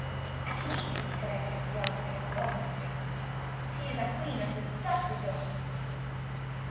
"At least," he corrected, glancing at his comrades, "she is our Queen until Strut returns."